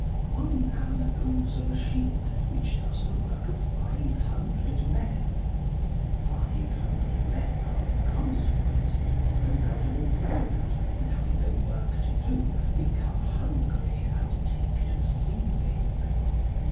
One man owns a machine which does the work of five hundred men. Five hundred men are, in consequence, thrown out of employment, and, having no work to do, become hungry and take to thieving.